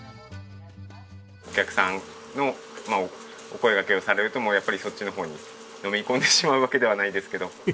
お客さんのお声がけをされるとやっぱりそっちの方にのめり込んでしまうわけではないですけど。